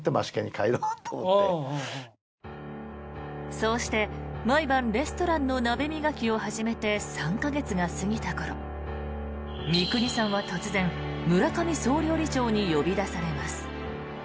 そうして、毎晩レストランの鍋磨きを始めて３か月が過ぎた頃三國さんは突然村上総料理長に呼び出されます。